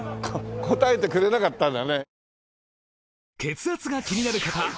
答えてくれなかったんだね。